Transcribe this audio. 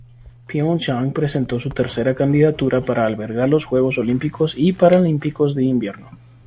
Pieonchang presentó su tercera candidatura para albergar los Juegos Olímpicos y Paralímpicos de Invierno.